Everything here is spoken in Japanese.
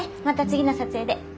また次の撮影で。